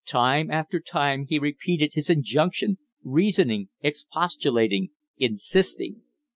Time after time he repeated his injunction reasoning, expostulating, insisting.